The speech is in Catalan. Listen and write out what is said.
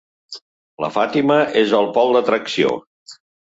La Fàtima és el pol d'atracció.